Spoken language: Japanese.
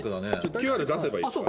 ・ＱＲ出せばいいっすか？